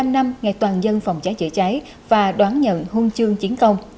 một mươi năm năm ngày toàn dân phòng cháy chữa cháy và đoán nhận hung chương chiến công